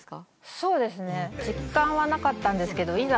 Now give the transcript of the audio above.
そうですね実感はなかったんですけどいざ